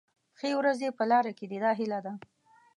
ښې ورځې په لاره کې دي دا هیله ده.